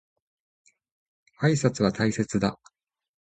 挨拶は大切だ。